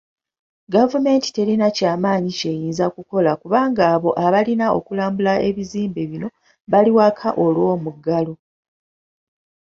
Gavumenti terina kyamaanyi kyeyinza kukola kubanga abo abalina okulambula ebizimbe bino bali waka olw'omuggalo.